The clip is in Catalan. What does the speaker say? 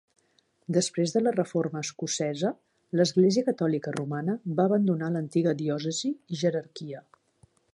Després de la reforma escocesa, l'església catòlica romana va abandonar l'antiga diòcesi i jerarquia.